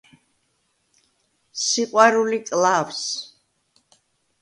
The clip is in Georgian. სიყვარული კლავს